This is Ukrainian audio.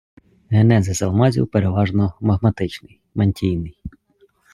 Генезис алмазів переважно магматичний, мантійний.